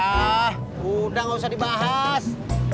ah udah gak usah dibahas